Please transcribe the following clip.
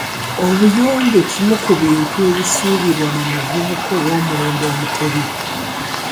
Obuyonjo kimu ku bintu ebisuubirwa mu muvubuka ow'omulembe omutebi.